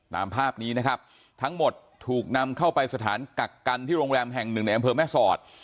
ตามภาพนี้นะครับทั้งหมดถูกนำเข้าไปสถานกักกันที่โรงแรมแห่งหนึ่งในอำเภอแม่สอด